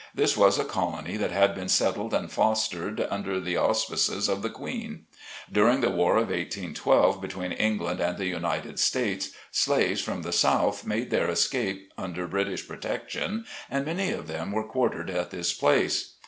This was a colony that had been settled and fostered under the auspi ces of the Queen. During the war of 18 12, between England and the United States, slaves from the South made their escape under British protec tion, and many of them were quartered at this place.